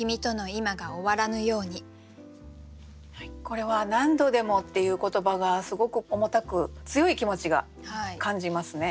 これは「なんどでも」っていう言葉がすごく重たく強い気持ちが感じますね。